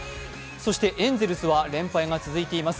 そしてエンゼルスは連敗が続いています。